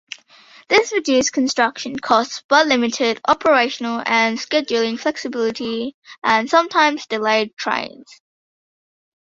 This reduced construction costs, but limited operational and scheduling flexibility and sometimes delayed trains.